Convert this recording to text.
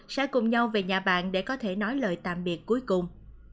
sẽ cùng nhau về nhà bạn để có thể nói lời tạm biệt cuối cùng